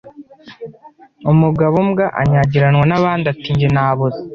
Umugabo mbwa anyagiranwa n'abandi ati jye naboze